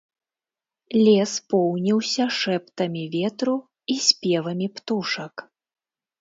Лес поўніўся шэптамі ветру і спевамі птушак.